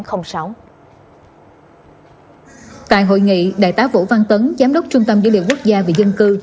tại hội nghị đại tá vũ văn tấn giám đốc trung tâm dữ liệu quốc gia về dân cư